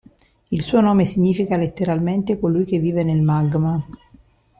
Il suo nome significa letteralmente "colui che vive nel magma".